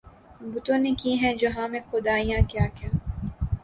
بتوں نے کی ہیں جہاں میں خدائیاں کیا کیا